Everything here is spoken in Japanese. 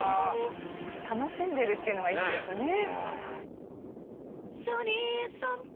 楽しんでるっていうのがいいですね。